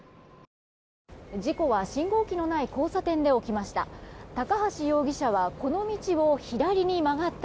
事故は信号機のない交差点で起きました。